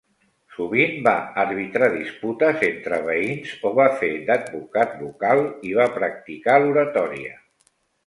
Sovint va arbitrar disputes entre veïns o va fer d'advocat local i va practicar l'oratòria.